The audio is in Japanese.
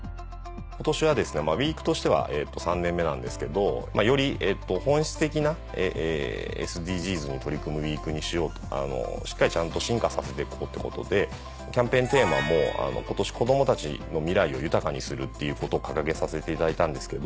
今年はウィークとしては３年目なんですけどより本質的なＳＤＧｓに取り組むウィークにしようとしっかりちゃんと進化させていこうってことでキャンペーンテーマも今年「子どもたちの未来を豊かにする」っていうことを掲げさせていただいたんですけど。